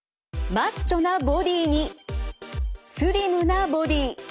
マッチョなボディーにスリムなボディー。